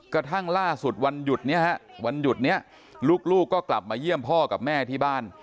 กระทั่งล่าสุดวันหยุดนี้ลูกก็กลับมาเยี่ยมพ่อกับแม่ที่บ้าน